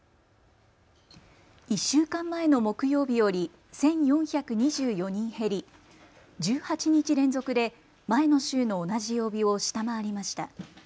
１週間前の木曜日より１４２４人減り、１８日連続で前の週の同じ曜日を下回りました。